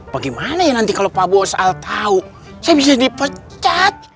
bagaimana ya nanti kalo pak bos sal tau saya bisa dipecat